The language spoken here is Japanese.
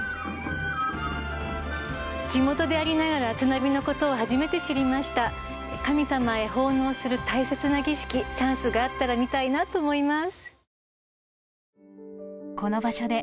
地元でありながら綱火のことを初めて知りました神様へ奉納する大切な儀式チャンスがあったら見たいなと思います